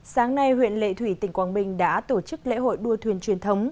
sáng nay huyện lệ thủy tỉnh quảng bình đã tổ chức lễ hội đua thuyền truyền thống